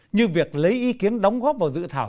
như việc lấy ý kiến đóng góp vào dự thảo